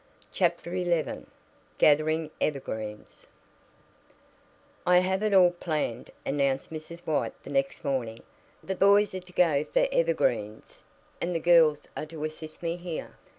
CHAPTER XI GATHERING EVERGREENS "I have it all planned," announced Mrs. White the next morning. "The boys are to go for evergreens, and the girls are to assist me here.